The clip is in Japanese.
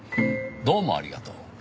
どうもありがとう。